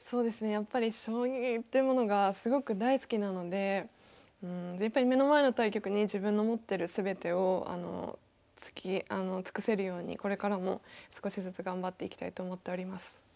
やっぱり将棋というものがすごく大好きなのでやっぱり目の前の対局に自分の持ってる全てを尽くせるようにこれからも少しずつ頑張っていきたいと思っております。